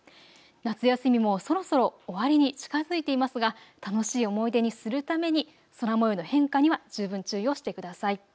夏休みもそろそろ終わりに近づいていますが楽しい思い出にするために空もようの変化には十分注意をしてください。